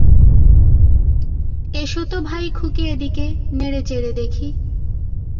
এসো তো ভাই খুকি এদিকে, নেড়েচেড়ে দেখি।